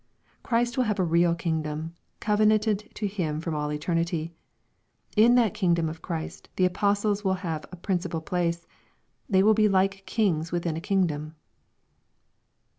Christ will have a real kingdom, covenanted to Him from all eter nity. In that kingdom of Christ, the apostles will have a princi pal place. They will be Hke kings within a kingdom.